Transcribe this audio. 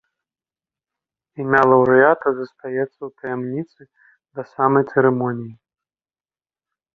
Імя лаўрэата застаецца ў таямніцы да самай цырымоніі.